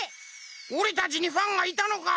おれたちにファンがいたのか？